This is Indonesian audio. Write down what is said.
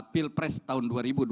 pilpres tahun dua ribu dua puluh